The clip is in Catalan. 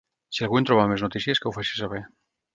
Si algú en troba més notícies, que ho faci saber.